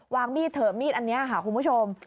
มีดเถอะมีดอันนี้ค่ะคุณผู้ชม